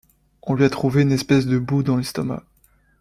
On lui a trouvé une espèce de boue dans l’estomac.